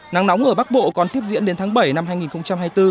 nắng nóng ở bắc bộ còn tiếp diễn đến tháng bảy năm hai nghìn hai mươi bốn